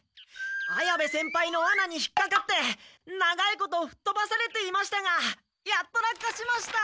綾部先輩のワナに引っかかって長いことふっとばされていましたがやっと落下しました！